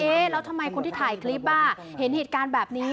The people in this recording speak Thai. แล้วทำไมคนที่ถ่ายคลิปเห็นเหตุการณ์แบบนี้